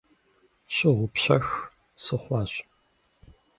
Щыгъупщэх сыхъуащ.